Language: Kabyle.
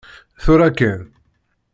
Tura kan!